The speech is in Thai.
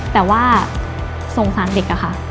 แต่ว่าสงสารเด็กอะค่ะ